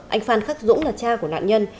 anh phan khắc dũng là cha của nạn nhân